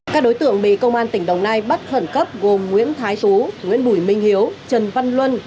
các đối tượng bị công an tỉnh đồng nai bắt khẩn cấp gồm nguyễn thái xú nguyễn bùi minh hiếu trần văn luân